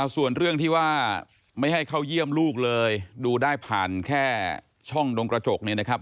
ส่วนเรื่องที่ว่าไม่ให้เข้าเยี่ยมลูกเลยดูได้ผ่านแค่ช่องดงกระจกเนี่ยนะครับ